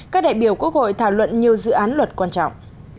các đại biểu quốc hội thảo luận nhiều dự án luật quan trọng